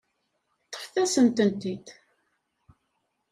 Ṭṭfet-asent-tent-id.